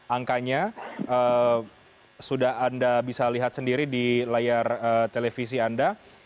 angkanya sudah anda bisa lihat sendiri di layar televisi anda